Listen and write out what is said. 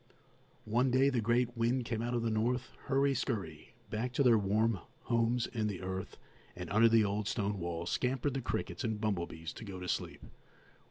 One day the great wind came out of the north. Hurry scurry! back to their warm homes in the earth and under the old stone wall scampered the crickets and bumblebees to go to sleep.